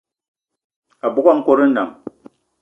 Abogo a nkòt nnam